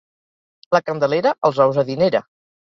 La Candelera els ous adinera.